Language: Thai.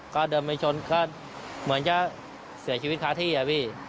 ก็เดินไปชนก็เหมือนจะเสียชีวิตค้าที่อะพี่